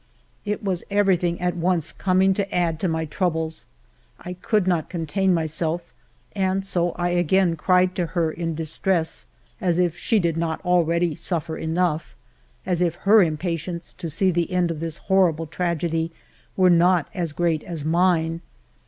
It was everything at once coming to add to my troubles. I could not contain myself, and so I again cried to her in distress, as if she did not already suffer enough, as if her impatience to see the end of this horrible tragedy were not as great as mine.